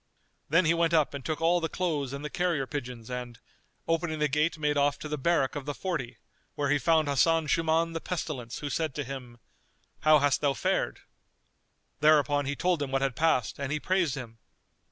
Then he went up and took all the clothes and the carrier pigeons and, opening the gate made off to the barrack of the Forty, where he found Hasan Shuman the Pestilence who said to him, "How hast thou fared?" Thereupon he told him what had passed and he praised him.